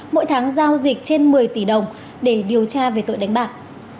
mỗi tháng giao dịch trên một mươi tỷ đồng để điều tra về tội đánh bạc